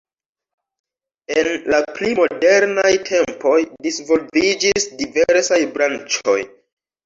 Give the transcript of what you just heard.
En la pli modernaj tempoj disvolviĝis diversaj branĉoj.